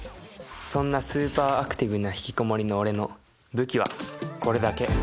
そんなスーパーアクティブなひきこもりの俺の武器はこれだけ